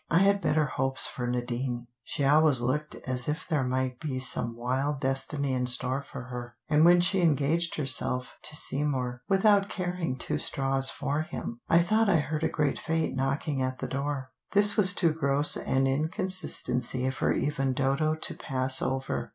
I had better hopes for Nadine, she always looked as if there might be some wild destiny in store for her, and when she engaged herself to Seymour without caring two straws for him, I thought I heard a great fate knocking at the door " This was too gross an inconsistency for even Dodo to pass over.